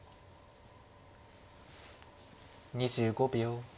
２５秒。